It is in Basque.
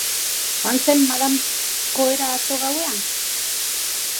Joan zen madame ohera atzo gauean?